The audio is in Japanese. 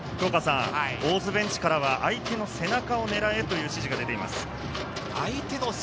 大津ベンチからは相手の背中を狙えという指示が出ています。